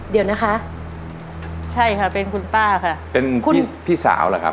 เดี๋ยวนะคะใช่ค่ะเป็นคุณป้าค่ะเป็นคุณพี่สาวเหรอครับ